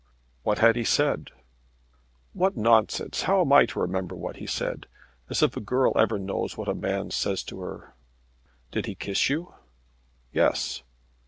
"What had he said?" "What nonsense! How am I to remember what he said? As if a girl ever knows what a man says to her." "Did he kiss you?" "Yes."